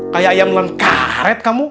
kayak ayam lengkaret kamu